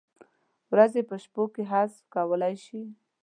ورځې په شپو کې حذف کولای شي؟